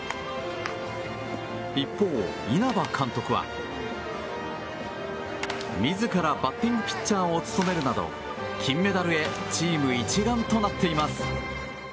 一方、稲葉監督は自らバッティングピッチャーを務めるなど金メダルへチーム一丸となっています。